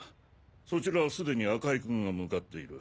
そちらはすでに赤井君が向かっている。